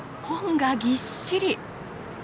本がぎっしり。